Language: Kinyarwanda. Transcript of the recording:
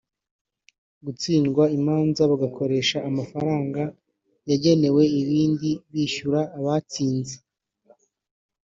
gutsindwa imanza bagakoresha amafaranga yagenewe ibindi bishyura ababatsinze